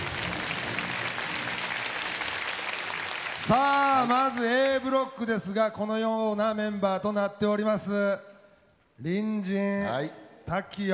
さあまずＡブロックですがこのようなメンバーとなっております。